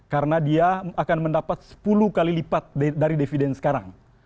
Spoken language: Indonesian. karena dia akan mendapat sepuluh kali lipat dari dividen sekarang